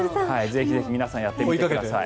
ぜひぜひ皆さんやってみてください。